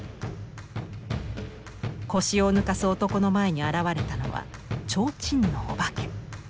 腰を抜かす男の前に現れたのはちょうちんのお化け。